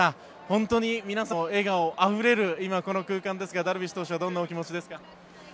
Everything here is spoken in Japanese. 本当に皆さんの笑顔あふれる今、この空間ですがダルビッシュ投手はどんなお気持ちですか。